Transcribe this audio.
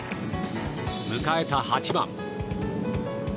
迎えた８番。